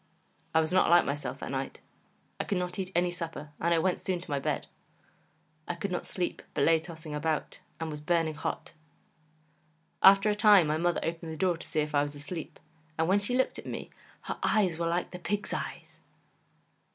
I was not like myself that night; I could not eat any supper, and I went soon to my bed; I could not sleep, but lay tossing about; and was burning hot. After a time my mother opened the door to see if I was asleep, and when she looked at me, HER EYES WERE LIKE THE PIG'S EYES.